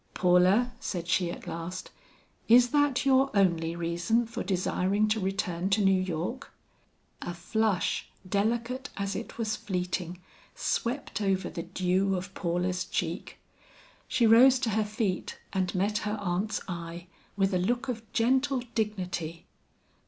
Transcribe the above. "Paula," said she at last, "is that your only reason for desiring to return to New York?" A flush, delicate as it was fleeting, swept over the dew of Paula's cheek. She rose to her feet and met her aunt's eye, with a look of gentle dignity.